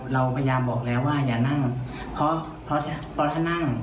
เราพยายามบอกแล้วว่าอย่านั่งเพราะถ้านั่ง